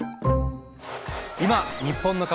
今日本の顔